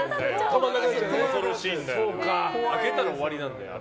開けたら終わりなんだよ、あれ。